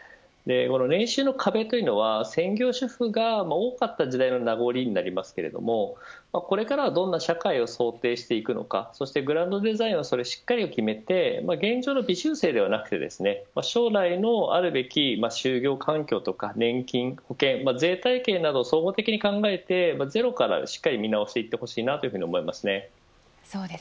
年収の壁というのは、専業主婦が多かった時代の名残りになりますけれどもこれからはどんな社会を想定していくのかとしてグランドデザインをしっかり決めて現状の微修正ではなく将来のあるべき就業環境や年金保険、税体系などを総合的に考えてゼロからしっかり見直していってほしいと思います。